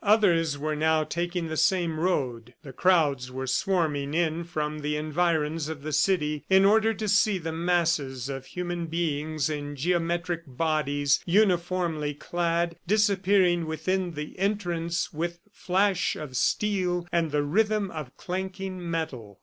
Others were now taking the same road. The crowds were swarming in from the environs of the city in order to see the masses of human beings in geometric bodies, uniformly clad, disappearing within the entrance with flash of steel and the rhythm of clanking metal.